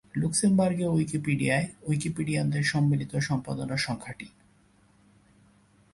লুক্সেমবার্গীয় উইকিপিডিয়ায় উইকিপিডিয়ানদের সম্মিলিত সম্পাদনার সংখ্যা টি।